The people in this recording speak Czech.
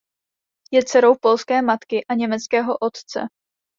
Je dcerou polské matky a německého otce.